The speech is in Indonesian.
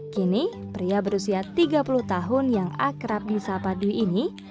kini pria berusia tiga puluh tahun yang akrab di sapa dwi ini